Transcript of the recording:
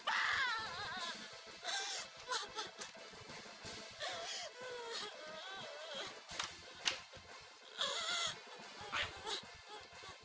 akhirnya saya sudah kena elu